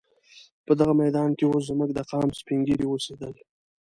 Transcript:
په دغه میدان کې اوس زموږ د قام سپین ږیري اوسېدل.